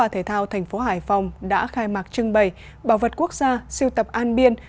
thành phố hải phòng đã khai mạc trưng bày bảo vật quốc gia siêu tập an biên